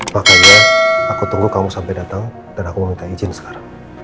makanya aku tunggu kamu sampai datang dan aku meminta izin sekarang